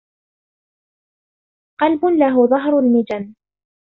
قلب له ظهر المِجَنِّ